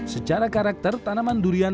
secara karakter tanaman durian